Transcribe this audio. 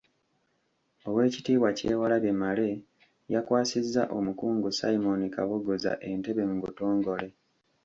Oweekitiibwa Kyewalabye Male yakwasizza Omukungu Simon Kabogoza entebe mu butongole.